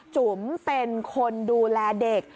จุ๋มเป็นคนดูแลเด็ก